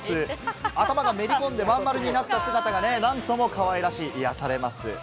頭がめり込んで、まん丸になった姿が何ともかわいらしく、癒やされます。